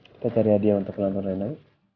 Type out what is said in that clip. kita cari hadiah untuk penonton renai